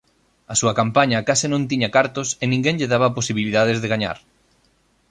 A súa campaña case non tiña cartos e ninguén lle daba posibilidades de gañar.